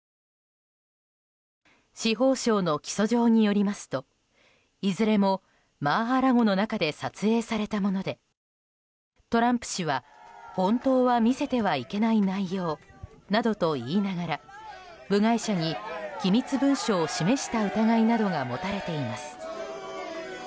司法省の起訴状によりますといずれもマー・ア・ラゴの中で撮影されたものでトランプ氏は、本当は見せてはいけない内容などと言いながら部外者に機密文書を示した疑いなどが持たれています。